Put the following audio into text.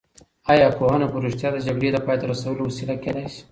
ایا پوهنه په رښتیا د جګړې د پای ته رسولو وسیله کېدای شي؟